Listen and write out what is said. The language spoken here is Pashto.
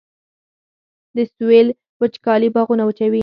د سویل وچکالي باغونه وچوي